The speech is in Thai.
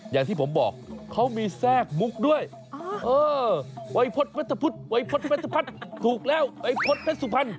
อย่างที่ผมบอกเขามีแทรกมุกด้วยเออวัยพฤตพุทธวัยพฤตพัทธ์ถูกแล้ววัยพฤตเผ็ดสุภัณฑ์